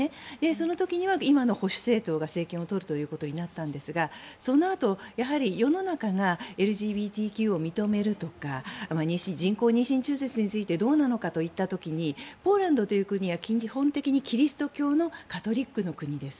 その時には今の保守政党が政権を取るということになったんですがそのあと世の中がＬＧＢＴＱを認めるとか人工妊娠中絶についてどうなのかといった時にポーランドという国は基本的にキリスト教のカトリックの国です。